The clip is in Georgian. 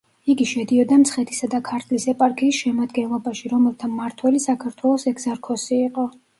იგი შედიოდა მცხეთისა და ქართლის ეპარქიის შემადგენლობაში, რომელთა მმართველი საქართველოს ეგზარქოსი იყო.